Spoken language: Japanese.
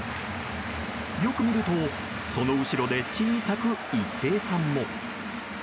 よく見るとその後ろで小さく一平さんも。